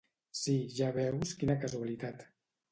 —Sí, ja veus quina casualitat.